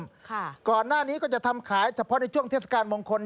ค่ะก่อนหน้านี้ก็จะทำขายเฉพาะในช่วงเทศกาลมงคล